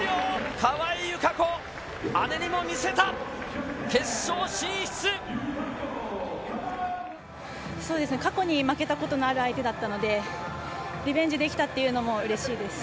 川井友香子、過去に負けたことのある相手だったので、リベンジできたというのもうれしいです。